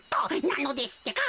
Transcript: なのですってか。